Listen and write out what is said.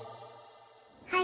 はい！